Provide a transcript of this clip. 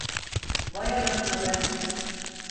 Vay anasını be!